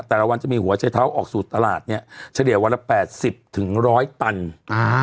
แต่ละวันจะมีหัวใจเท้าออกสู่ตลาดเนี้ยเฉลี่ยวันละแปดสิบถึงร้อยตันอ่า